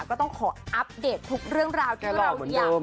ก็ต้องขออัปเดตทุกเรื่องราวที่เราอยาก